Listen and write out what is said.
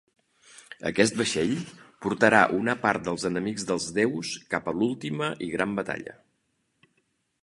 Aquest vaixell portarà una part dels enemics dels déus cap a l'última i gran batalla.